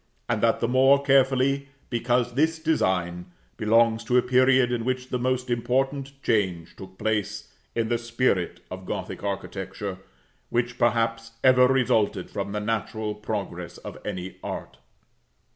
and that the more carefully, because this design belongs to a period in which the most important change took place in the spirit of Gothic architecture, which, perhaps, ever resulted from the natural progress of any art.